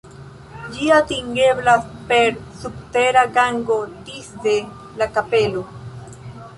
Ĝi atingeblas per subtera gango disde la kapelo.